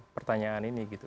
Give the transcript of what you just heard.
pertanyaan ini gitu